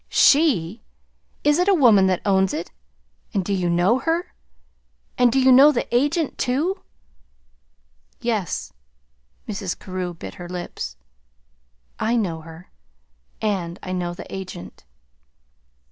"SHE! Is it a woman that owns it, and do you know her? And do you know the agent, too?" "Yes." Mrs. Carew bit her lips. "I know her, and I know the agent."